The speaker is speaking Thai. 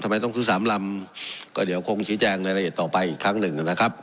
ต้องซื้อสามลำก็เดี๋ยวคงชี้แจงในละเอียดต่อไปอีกครั้งหนึ่งนะครับ